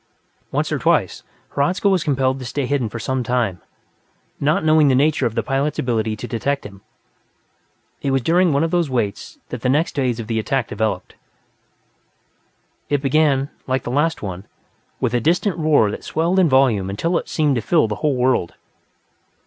Once or twice, Hradzka was compelled to stay hidden for some time, not knowing the nature of the pilot's ability to detect him. It was during one of these waits that the next phase of the attack developed. It began, like the last one, with a distant roar that swelled in volume until it seemed to fill the whole world.